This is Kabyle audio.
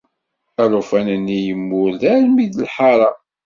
Alufan-nni yemmured armi d lḥaṛa.